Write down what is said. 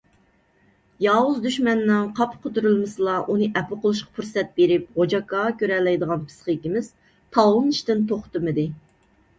ياۋۇز دۈشمەننىڭ قاپىقى تۈرۈلمىسىلا ئۇنى ئەپۇ قىلىشقا پۇرسەت بېرىپ «غوجاكا» كۆرەلەيدىغان پىسخىكىمىز تاۋلىنىشتىن توختىمىدى.